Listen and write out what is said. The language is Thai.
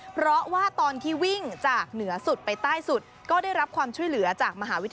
เพราะว่าตอนที่วิ่งจากเหนือสุดไปใต้สุดก็ได้รับความช่วยเหลือจากมหาวิทยา